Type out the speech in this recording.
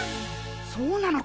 そうなのか！？